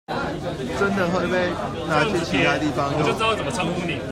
真的會被拿去其他地方用